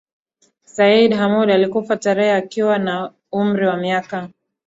Seyyid Hamoud alikufa tarehe akiwa na umri wa miaka